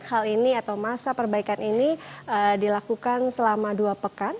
hal ini atau masa perbaikan ini dilakukan selama dua pekan